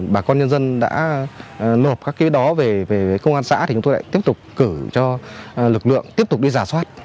bà con nhân dân đã nộp các cái đó về công an xã thì chúng tôi lại tiếp tục cử cho lực lượng tiếp tục đi giả soát